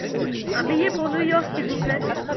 Un billet pour New York s'il vous plait.